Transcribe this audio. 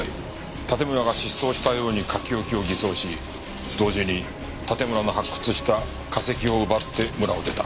盾村が失踪したように書き置きを偽装し同時に盾村の発掘した化石を奪って村を出た。